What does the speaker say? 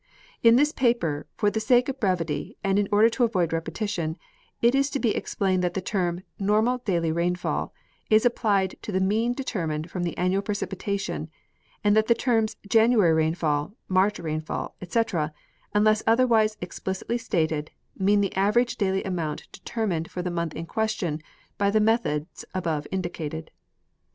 In this paper, for the sake of brevity and in order to avoid repetition, it is to be explained that the term " normal daily rainfall " is applied to the mean determined from the annual precipitation, and that the terms '' January rainfall, March rainfall," etc, unless otherwise explic itly stated, mean the average daily amount determined for the month in question by the methods above indicated.